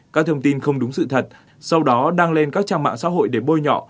các thông tin không đúng sự thật sau đó đăng lên các trang mạng xã hội để bôi nhọ